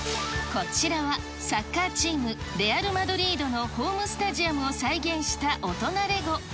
こちらはサッカーチーム、レアル・マドリードのホームスタジアムを再現した大人レゴ。